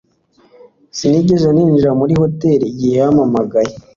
Sinigeze ninjira muri hoteri igihe yampamagaye.